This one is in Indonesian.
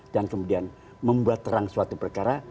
dan kemudian membuat terang suatu perkara